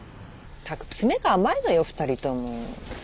ったく詰めが甘いのよ２人とも。